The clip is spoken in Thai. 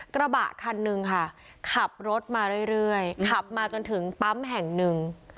กระบะคันนึงค่ะขับรถมาเรื่อยขับมาจนถึงปั๊มแห่งหนึ่ง